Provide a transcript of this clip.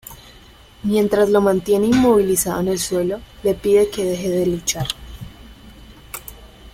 Mientras lo mantiene inmovilizado en el suelo, le pide que deje de luchar.